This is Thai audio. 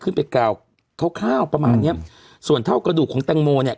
ไปกล่าวคร่าวคร่าวประมาณเนี้ยส่วนเท่ากระดูกของแตงโมเนี่ย